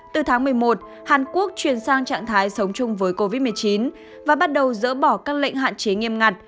từ tháng một mươi một hàn quốc chuyển sang trạng thái sống chung với covid một mươi chín và bắt đầu dỡ bỏ các lệnh hạn chế nghiêm ngặt